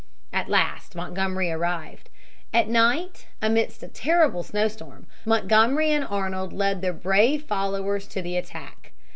At last Montgomery arrived. At night, amidst a terrible snowstorm, Montgomery and Arnold led their brave followers to the attack.